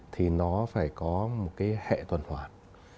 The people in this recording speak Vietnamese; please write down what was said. thì nó phải có một cái hệ tuần hoạt